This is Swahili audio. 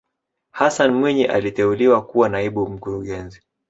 hassan mwinyi aliteuliwa kuwa naibu mkurugenzi